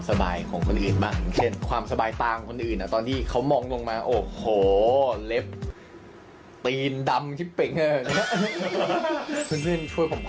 ใส่ไปเลยครับอย่าให้เจอผมนะครับ